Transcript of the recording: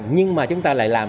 nhưng mà chúng ta lại làm